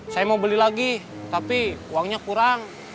saya mau beli lagi tapi uangnya kurang